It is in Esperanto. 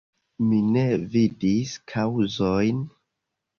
Mi ne vidis kaŭzojn.